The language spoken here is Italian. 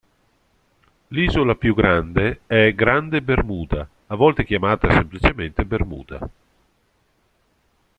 L'isola più grande è Grande Bermuda, a volte chiamata semplicemente "Bermuda".